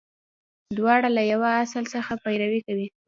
• دواړه له یوه اصل څخه پیروي کوي.